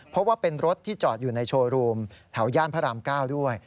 เพราะว่าเป็นรถที่จอดอยู่ในโชว์รูมแถวย่านพระราม๙ด้วย